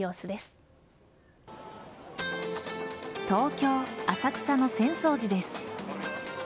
東京・浅草の浅草寺です。